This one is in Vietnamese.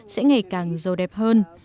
sẽ ngày càng giàu đẹp hơn